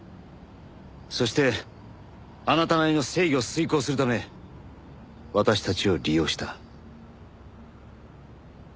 そしてあなたなりの正義を遂行するため私たちを利用した。